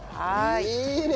いいね！